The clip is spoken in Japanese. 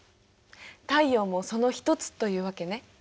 太陽もその一つというわけね。